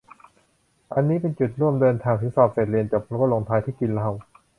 อันนี้เป็นจุดร่วม เดินทางถึง สอบเสร็จ เรียนจบ ก็ลงท้ายที่ กินเหล้า !